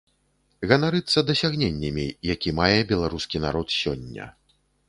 Ганарыцца дасягненнямі, які мае беларускі народ сёння.